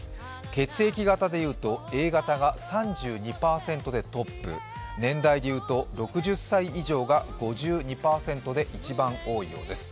血液型で言うとＡ型が３２％でトップ年代でいうと６０歳以上が５２％で一番多いようです。